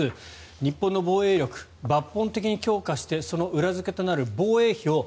日本の防衛力、抜本的に強化してその裏付けとなる防衛費を